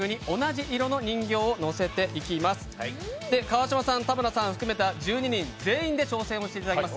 川島さん、田村さん含めた１２人全員で挑戦していただきます。